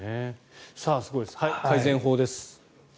改善法です。